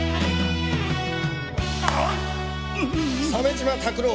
鮫島拓郎。